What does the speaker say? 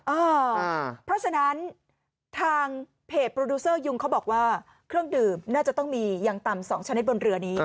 เพราะฉะนั้นทางเพจโปรดิวเซอร์ยุงเขาบอกว่าเครื่องดื่มน่าจะต้องมีอย่างต่ำ๒ชนิดบนเรือนี้